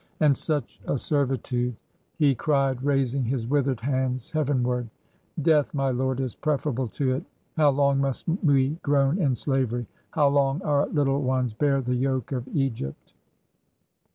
And such a servitude!" he cried, raising his withered hands heavenward. "Death, my lord, is preferable to it! How long must we groan in slavery? How long our little ones bear the yoke of Egypt?